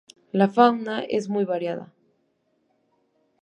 La fauna es muy variada.